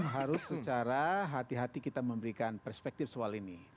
harus secara hati hati kita memberikan perspektif soal ini